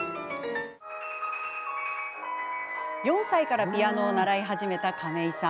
４歳からピアノを始めた亀井さん。